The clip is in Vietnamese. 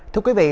thưa quý vị